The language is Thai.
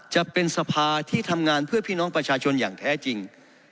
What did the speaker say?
จะเป็นสภาที่ทำงานเพื่อพี่น้องประชาชนอย่างแท้จริง